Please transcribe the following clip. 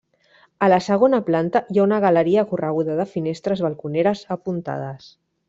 A la segona planta hi ha una galeria correguda de finestres balconeres apuntades.